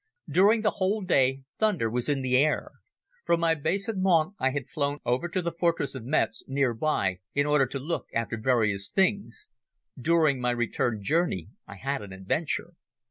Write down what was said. During the whole day thunder was in the air. From my base at Mont I had flown over to the fortress of Metz, nearby, in order to look after various things. During my return journey I had an adventure.